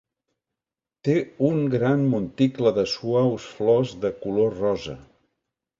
Té un gran monticle de suaus flors de color rosa.